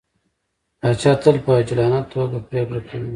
پاچا تل په عجولانه ټوګه پرېکړه کوي.